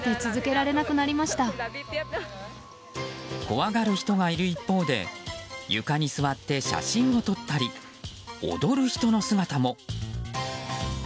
怖がる人がいる一方で床に座って写真を撮ったり踊る人の姿も。